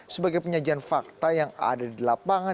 sebagai penyajian fakta yang ada di lapangan